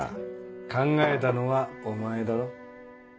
考えたのはお前だろ。